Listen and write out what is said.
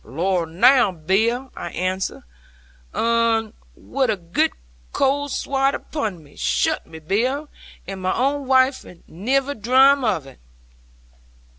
'"Lor now, Bill!" I answered 'un, wi' a girt cold swat upon me: "shutt me, Bill; and my own waife niver drame of it!"'